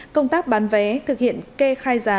công tác bán vé thực hiện kê khai giá